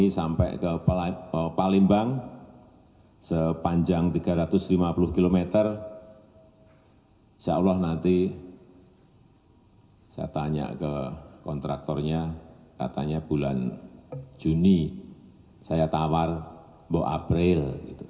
saya tanya ke kontraktornya katanya bulan juni saya tawar mau april